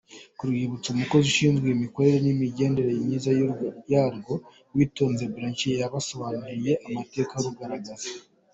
Ku rwibutso, umukozi ushinzwe imikorere n’imigendekere myiza yarwo, Uwitonze Bellancilla, yabasobanuriye amateka rugaragaza.